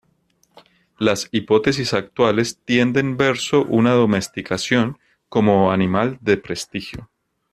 Las hipótesis actuales tienden verso una domesticación como animal de prestigio.